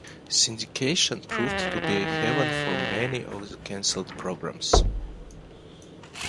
Syndication proved to be a haven for many of the canceled programs.